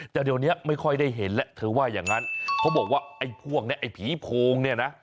แต่เดี๋ยวนี้ไม่ค่อยได้เห็นแล้วเธอว่าอย่างนั้นเขาบอกว่าไอ้พวกนี้ไอ้ผีโพงเนี่ยนะ